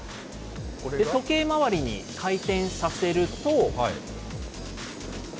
時計回りに回転させると。